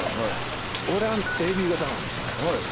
俺はＡＢ型なんですよね。